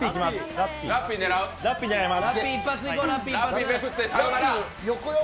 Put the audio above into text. ラッピー狙います。